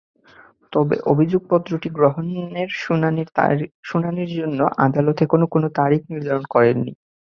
তবে অভিযোগপত্রটি গ্রহণের শুনানির জন্য আদালত এখনো কোনো তারিখ নির্ধারণ করেননি।